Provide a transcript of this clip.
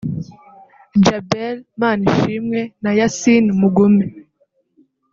Djabel Manishimwe na Yassin Mugume